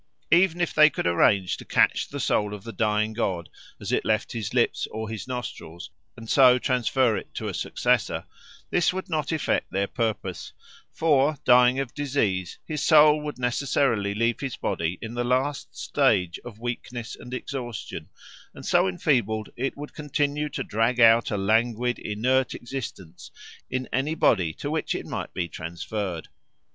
Even if they could arrange to catch the soul of the dying god as it left his lips or his nostrils and so transfer it to a successor, this would not effect their purpose; for, dying of disease, his soul would necessarily leave his body in the last stage of weakness and exhaustion, and so enfeebled it would continue to drag out a languid, inert existence in any body to which it might be transferred.